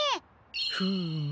フーム。